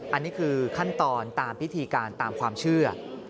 อันนี้คือขั้นตอนตามพิธีการตามความเชื่อ